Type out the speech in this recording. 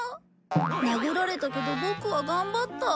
殴られたけどボクは頑張った。